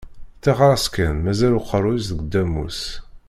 Ṭixer-as kan, mazal aqerru-s deg ddamus.